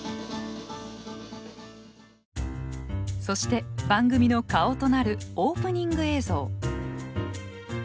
そして番組の顔となるオープニング映像。